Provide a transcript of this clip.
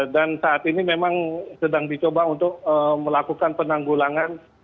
dan saat ini memang sedang dicoba untuk melakukan penanggulangan